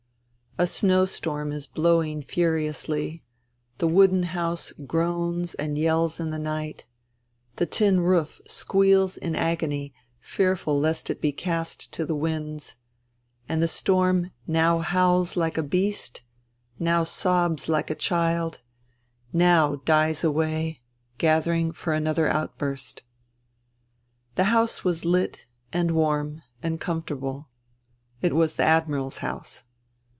A snowstorm is blowing furiously ; the wooden house groans and yells in the night ; the tin roof squeals in agony, fearful lest it be cast to the winds ; and the storm now howls like a beast, now sobs like a child, now dies away, gathering for another outburst. ... The house was lit and warm and comfortable. It was the Admiral's liouse.